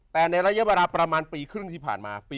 แต่ในระยะเวลาประมาณปีครึ่งที่ผ่านมา